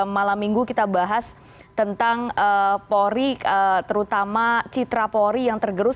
malam minggu kita bahas tentang polri terutama citra polri yang tergerus